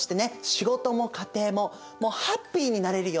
仕事も家庭ももうハッピーになれるようなね